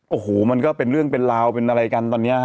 โอ้โหมันก็เป็นเรื่องเป็นราวเป็นอะไรกันตอนนี้ฮะ